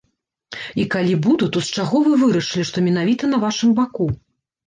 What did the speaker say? І калі буду, то з чаго вы вырашылі, што менавіта на вашым баку?